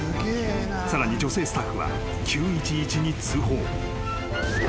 ［さらに女性スタッフは９１１に通報］